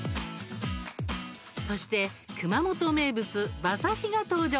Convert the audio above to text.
そして熊本名物馬刺しが登場。